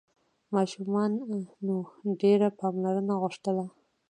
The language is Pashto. ماشومانو ډېره پاملرنه غوښتله.